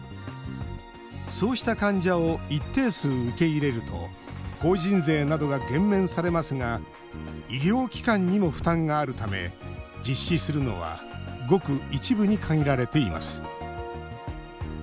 そうした患者を一定数受け入れると法人税などが減免されますが医療機関にも負担があるため実施するのはごく一部に限られています。